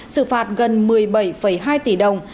sự phạt gần một mươi bảy hai tỷ đồng